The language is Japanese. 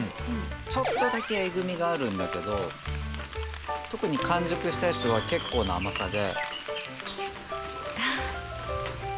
ちょっとだけえぐみがあるんだけど特に完熟したやつは結構な甘さで。